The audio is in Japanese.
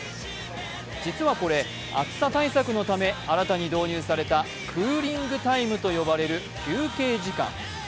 実はこれ、暑さ対策のため新たに導入されたクーリングタイムと呼ばれる休憩時間。